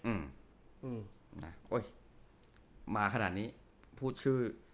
อุ้ยมาขนาดนี้พูดชื่อ